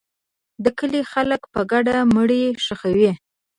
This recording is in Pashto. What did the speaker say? د کلي خلک په ګډه مړی ښخوي.